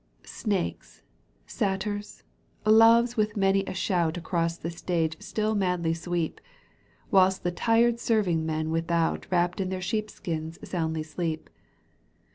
Snakes, satyrs, loves with many a shout Across the stage still madly sweep. Whilst the tired serving men without Wrapped in their sheepskins soundly sleep.